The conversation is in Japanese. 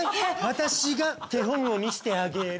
私が手本を見せてあげる。